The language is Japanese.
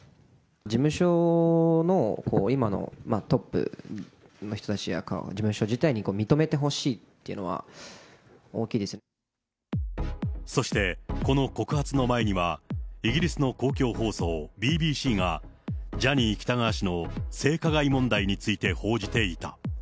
事務所の今のトップの人たちや事務所自体に認めてほしいっていうそして、この告発の前には、イギリスの公共放送、ＢＢＣが、ジャニー喜多川氏の性加害問題について報じていた。